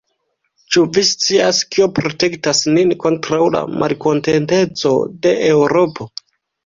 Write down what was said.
Ĉu vi scias, kio protektas nin kontraŭ la malkontenteco de Eŭropo?